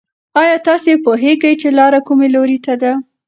ایا تاسې پوهېږئ چې لاره کوم لوري ته ده؟